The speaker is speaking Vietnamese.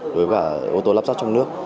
với cả ô tô lắp ráp trong nước